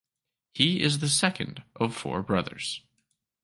He is the second of four brothers.